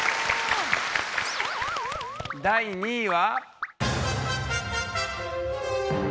第２位は？